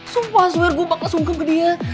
sumpah swear gue bakal sungkep ke dia